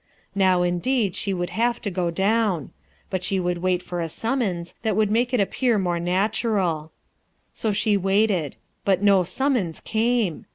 Now indeed she would have to go down; but she would wait for a sum mons, that would make it appear more natural So she waited; but no summons came.